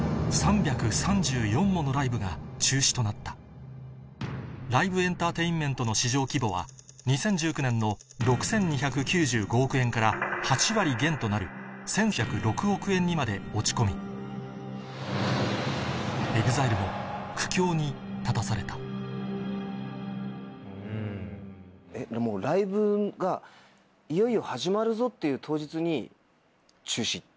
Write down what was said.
３３４ものライブが中止となったライブ・エンターテインメントの市場規模は２０１９年の６２９５億円から８割減となる１１０６億円にまで落ち込みＥＸＩＬＥも苦境に立たされたライブがいよいよ始まるぞっていう当日に中止？